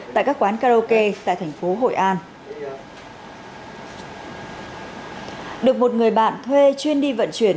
tại các quán karaoke tại thành phố hội an được một người bạn thuê chuyên đi vận chuyển